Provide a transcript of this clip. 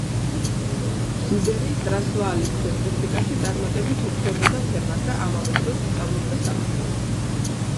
ჟუბერი ტრანსვაალის რესპუბლიკაში წარმატებით უძღვებოდა ფერმას და ამავე დროს სწავლობდა სამართალს.